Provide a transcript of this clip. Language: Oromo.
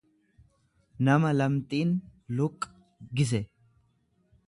nama lamxiin luqgise.